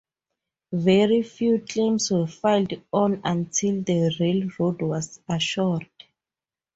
Very few claims were filed on until the railroad was assured.